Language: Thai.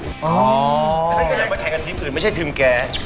ฉันก็อยากมาแข่งกับทีมอื่นไม่ใช่ทีมแก